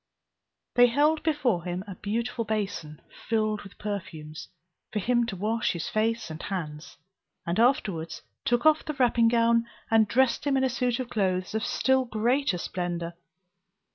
They held before him a beautiful basin, filled with perfumes, for him to wash his face and hands, and afterwards took off the wrapping gown and dressed him in a suit of clothes of still greater splendour.